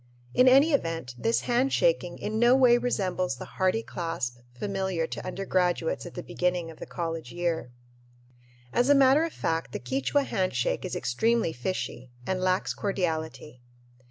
In any event, this handshaking in no way resembles the hearty clasp familiar to undergraduates at the beginning of the college year. As a matter of fact the Quichua handshake is extremely fishy and lacks cordiality.